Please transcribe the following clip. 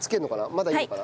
まだいいのかな？